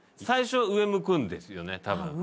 最初上向くんですよね多分。